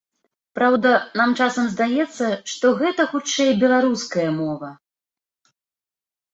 Праўда, нам часам здаецца, што гэта хутчэй беларуская мова.